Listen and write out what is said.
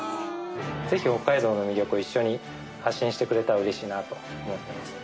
ぜひ北海道の魅力を一緒に発信してくれたらうれしいなと思っています。